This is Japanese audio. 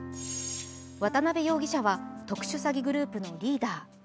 渡辺容疑者は特殊詐欺グループのリーダー。